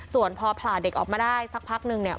ส่วนพอผ่าเด็กออกมาได้สักพักนึงเนี่ย